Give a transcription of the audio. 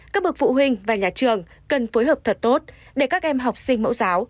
các bậc phụ huynh và nhà trường cần phối hợp thật tốt để các em học sinh mẫu giáo